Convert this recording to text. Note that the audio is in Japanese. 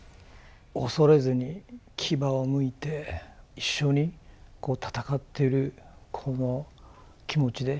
恐れずに牙をむいて一緒に戦ってるこの気持ちで。